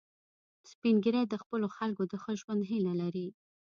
سپین ږیری د خپلو خلکو د ښه ژوند هیله لري